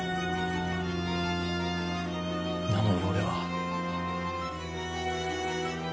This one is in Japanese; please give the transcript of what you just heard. なのに俺は。